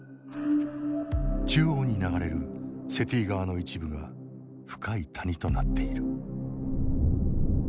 中央に流れるセティ川の一部が深い谷となっている。